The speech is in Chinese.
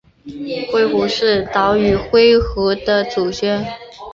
灰狐是岛屿灰狐的祖先。